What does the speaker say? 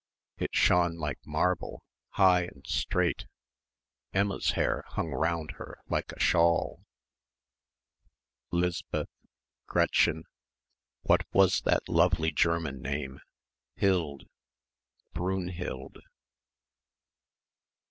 It shone like marble, high and straight. Emma's hair hung round her like a shawl. 'Lisbeth, Gretchen ... what was that lovely German name ... hild ... Brunhilde....